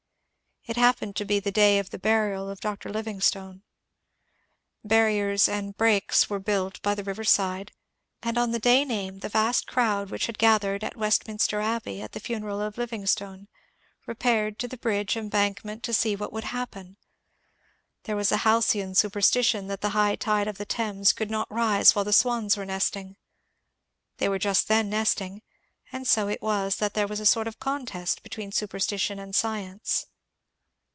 It happened to be the day of the burial of Dr. Livingstone. Barriers and breaks were built by the river's side ; and on the day named the vast crowd which had gathered at Westminster Abbey at the funeral of Livingstone repaired to the bridge embankment to see what would happen. There was a halcyon superstition that the high tide of the Thames could not rise while the swans were nesting. They were just then nesting, and so it was that there was a sort of contest between superstition and science.